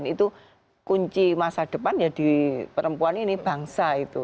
itu kunci masa depan ya di perempuan ini bangsa itu